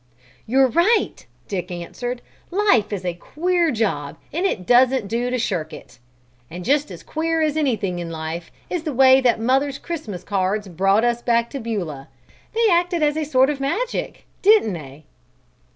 "You're right!" Dick answered. "Life is a queer job and it doesn't do to shirk it. And just as queer as anything in life is the way that mother's Christmas cards brought us back to Beulah! They acted as a sort of magic, didn't they?